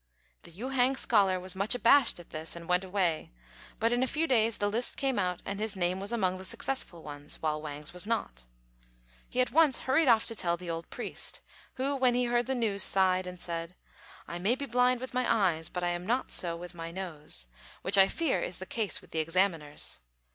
The Yü hang scholar was much abashed at this, and went away; but in a few days the list came out and his name was among the successful ones, while Wang's was not. He at once hurried off to tell the old priest, who, when he heard the news, sighed and said, "I may be blind with my eyes but I am not so with my nose, which I fear is the case with the examiners.